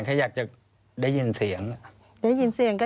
ควิทยาลัยเชียร์สวัสดีครับ